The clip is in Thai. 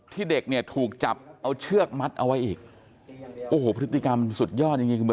เด็กเนี่ยถูกจับเอาเชือกมัดเอาไว้อีกโอ้โหพฤติกรรมสุดยอดจริงจริงคือ